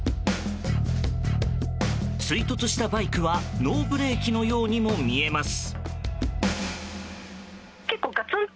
追突したバイクはノーブレーキのようにも見えます。